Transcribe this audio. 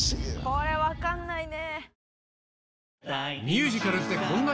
・これ分かんないね・